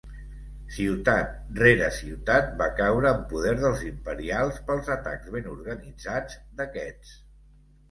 Ciutat rere ciutat va caure en poder dels imperials pels atacs ben organitzats d'aquests.